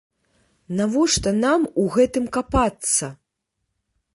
Навошта нам у гэтым капацца!